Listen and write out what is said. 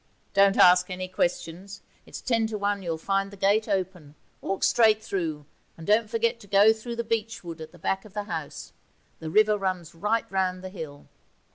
Don't ask any questions; it is ten to one you'll find the gate open; walk straight through, and don't forget to go through the beech wood at the back of the house; the river runs right round the hill.